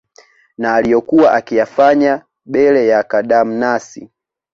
na aliyokuwa akiyafanya bele ya kadamnasi